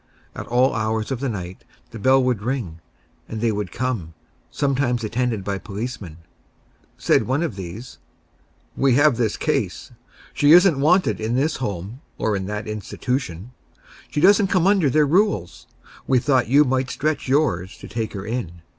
At all hours of the night the bell would ring, and they would come, sometimes attended by policemen. Said one of these: "We have this case. She isn't wanted in this home, or in that institution. She doesn't come under their rules. We thought you might stretch yours to take her in.